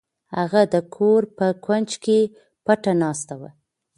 هغه د کور په کونج کې پټه ناسته وه.